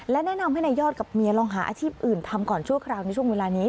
และแนะนำให้นายยอดกับเมียลองหาอาชีพอื่นทำก่อนชั่วคราวในช่วงเวลานี้